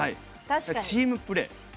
チームプレー。